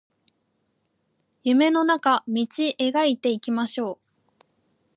夢の中道描いていきましょう